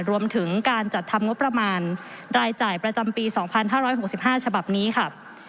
รวมถึงการจัดทำงบประมาณรายจ่ายประจำปีสองพันห้าร้อยหกสิบห้าฉบับนี้ค่ะ